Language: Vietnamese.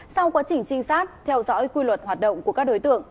sau quá trình trinh sát theo dõi quy luật hoạt động của các đối tượng